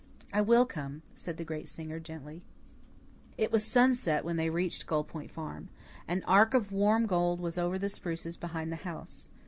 "I will come," said the great singer, gently. It was sunset when they reached Gull Point Farm. An arc of warm gold was over the spruces behind the house.